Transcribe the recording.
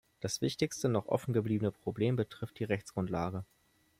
Das wichtigste noch offen gebliebene Problem betrifft die Rechtsgrundlage.